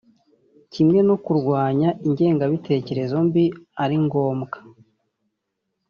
kimwe no kurwanya ingengabitekerezo mbi ari ngombwa